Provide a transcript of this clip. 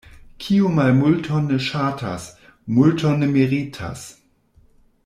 Kiu malmulton ne ŝatas, multon ne meritas.